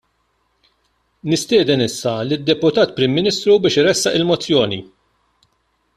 Nistieden issa lid-Deputat Prim Ministru biex iressaq il-Mozzjoni.